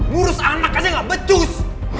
ngurus anak aja gak becus